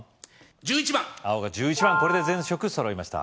１１番青が１１番これで全色そろいました